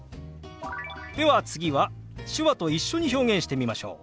では次は手話と一緒に表現してみましょう。